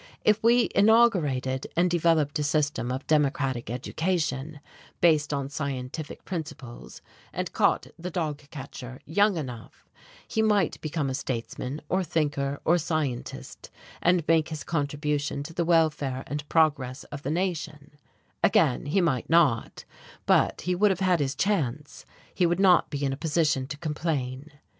If we inaugurated and developed a system of democratic education, based on scientific principles, and caught the dog catcher, young enough, he might become a statesman or thinker or scientist and make his contribution to the welfare and progress of the nation: again, he might not; but he would have had his chance, he would not be in a position to complain.